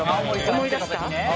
思い出した？